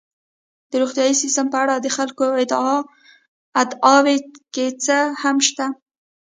د روغتیايي سیستم په اړه د خلکو ادعاوې که څه هم شته دي.